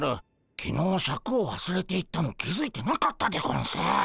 きのうシャクをわすれていったの気付いてなかったでゴンス。